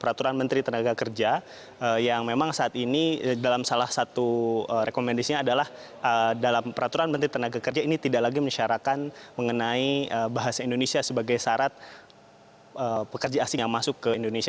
peraturan menteri tenaga kerja yang memang saat ini dalam salah satu rekomendasinya adalah dalam peraturan menteri tenaga kerja ini tidak lagi menisyarakan mengenai bahasa indonesia sebagai syarat pekerja asing yang masuk ke indonesia